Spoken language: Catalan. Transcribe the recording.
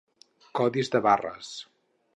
Codis de barres.